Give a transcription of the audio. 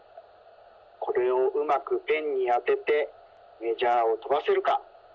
これをうまくペンにあててメジャーをとばせるか。